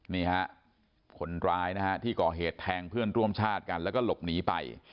นี่ฮะคนร้ายนะฮะที่ก่อเหตุแทงเพื่อนร่วมชาติกันแล้วก็หลบหนีไป